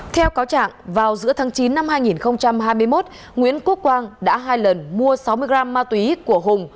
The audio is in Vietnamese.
theo cáo trạng vào giữa tháng chín năm hai nghìn hai mươi một nguyễn quốc quang đã hai lần mua sáu mươi gram ma túy của hùng